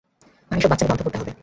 আর এসব বাচ্চামি বন্ধ করতে হবে।